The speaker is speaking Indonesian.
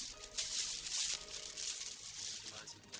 terima kasih berapa